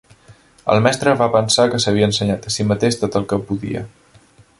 El mestre va pensar que s'havia ensenyat a si mateix tot el que podia.